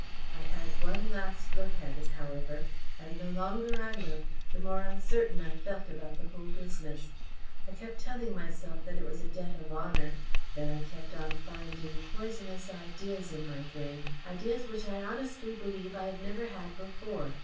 I had one last look at it, however, and the longer I looked, the more uncertain I felt about the whole business. I kept telling myself that it was a debt of honour. Then I kept on finding poisonous ideas in my brain ideas which I honestly believe I have never had before.